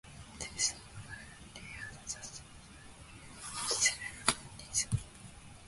They serve only as the scene of religious ceremonies.